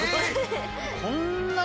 こんなに。